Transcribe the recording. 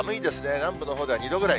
南部のほうでは２度ぐらい。